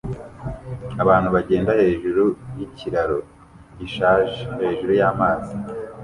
Abantu bagenda hejuru yikiraro gishaje hejuru yamazi